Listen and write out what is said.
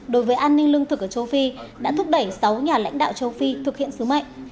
đối với an ninh lương thực ở châu phi đã thúc đẩy sáu nhà lãnh đạo châu phi thực hiện sứ mệnh